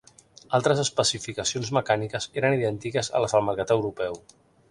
Altres especificacions mecàniques eren idèntiques a les del mercat europeu.